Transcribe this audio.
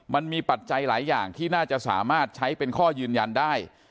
ปัจจัยหลายอย่างที่น่าจะสามารถใช้เป็นข้อยืนยันได้